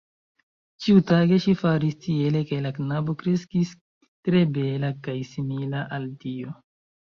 Ĉiutage ŝi faris tiele kaj la knabo kreskis tre bela kaj simila al dio.